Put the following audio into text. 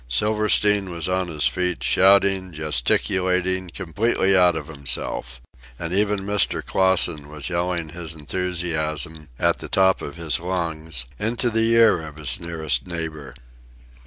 Silverstein was on his feet, shouting, gesticulating, completely out of himself. And even Mr. Clausen was yelling his enthusiasm, at the top of his lungs, into the ear of his nearest neighbor.